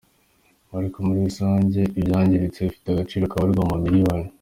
Ariko muri rusange ibyangiritse bifite agaciro kabarirwa mu mamiliyoni.